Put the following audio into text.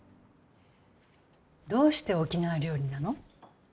どうして沖縄料理なの？